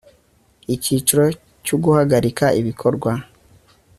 icyiciro cya uguhagarika ibikorwa